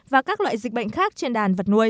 và các loại dịch bệnh khác trên đàn vật nuôi